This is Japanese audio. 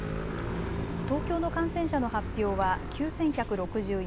東京の感染者の発表は９１６４人。